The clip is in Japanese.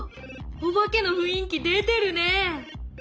お化けの雰囲気出てるね。